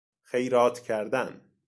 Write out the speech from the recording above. خیرات کردن